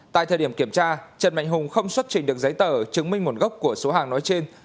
tại thời điểm kiểm tra trần mạnh hùng không xuất trình được giấy tờ chứng minh nguồn gốc của số hàng nói trên